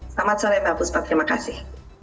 selamat sore bapak bapak terima kasih